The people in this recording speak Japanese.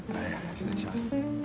失礼します。